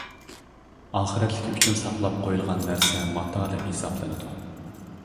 ئاخىرەتلىكى ئۈچۈن ساقلاپ قويۇلغان نەرسە ماتا دەپ ھېسابلىنىدۇ.